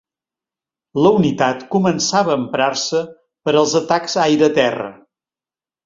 La unitat començava a emprar-se per als atacs aire-terra.